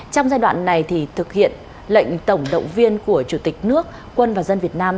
trong giai đoạn này thì thực hiện lệnh tổng động viên của chủ tịch nước quân và dân việt nam